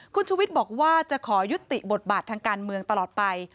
คุณชูวิทย์บอกว่าจะขอยุติบทบาททางการเมืองตลอดไป